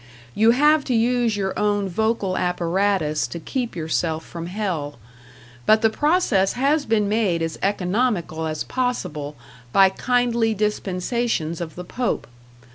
You have to use your own vocal apparatus to keep yourself from hell; but the process has been made as economical as possible by kindly dispensations of the Pope.